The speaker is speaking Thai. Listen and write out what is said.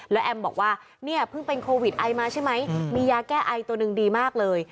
แล้วแอมบอกว่าเนี่ยเพิ่งเป็นโควิดไอมาใช่ไหมมียาแก้ไอตัวหนึ่งดีมากเลย